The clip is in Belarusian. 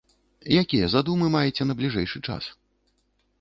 Якія задумы маеце на бліжэйшы час?